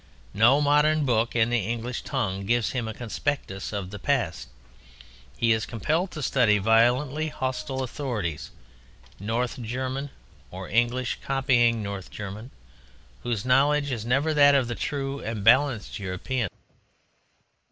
No modern book in the English tongue gives him a conspectus of the past; he is compelled to study violently hostile authorities, North German (or English copying North German), whose knowledge is never that of the true and balanced European.